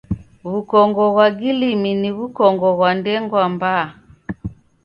W'ukongo ghwa gilimi ni w'ukongo ghwa ndengwa mbaa.